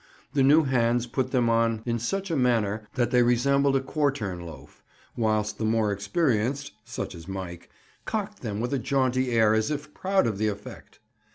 The new hands put them on in such a manner that they resembled a quartern loaf, whilst the more experienced—such as Mike—cocked them with a jaunty air as if proud of the effect.